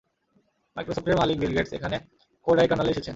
মাইক্রোসফটের মালিক Bill Gates, এখানে কোডাইকানালে এসেছেন।